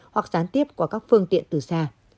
hoặc sán tiếp qua các phương tiện từ xa